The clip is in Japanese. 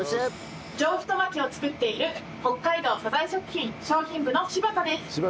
上太巻きを作っている北海道サザエ食品商品部の柴田です。